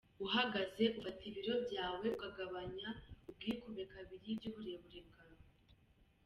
uhagaze : Ufata ibiro byawe ukagabanya ubwikube kabiri by’uburebure bwawe.